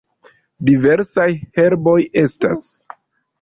Diversaj herboj estas.